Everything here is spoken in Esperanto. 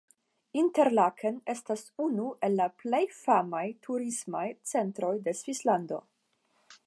Interlaken estas unu el la plej famaj turismaj centroj de Svislando.